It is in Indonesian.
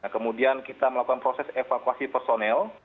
kemudian kita melakukan proses evakuasi personel